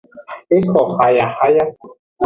Exohayahaya.